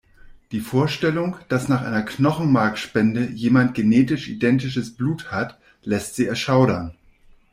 Die Vorstellung, dass nach einer Knochenmarkspende jemand genetisch identischen Blut hat, lässt sie erschaudern.